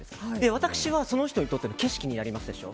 私はその人にとっての景色になりますでしょ。